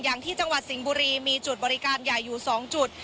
อย่างที่จังหวัดสิงห์บุรีมีจุดบริการใหญ่อยู่๒จุด